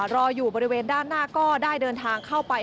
รออยู่บริเวณด้านหน้าก็ได้เดินทางเข้าไป